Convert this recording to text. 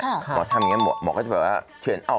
หมอทำอย่างนี้หมอก็จะแบบว่าเทรนออก